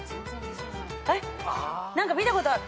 何か見たことある。